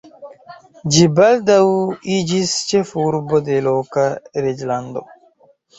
Ĝi baldaŭ iĝis ĉefurbo de loka reĝlando.